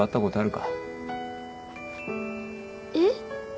えっ？